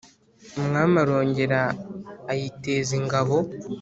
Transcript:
Umwami arongera ayiteza ingabo,